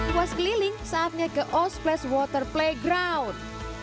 puas keliling saatnya ke oast place water playground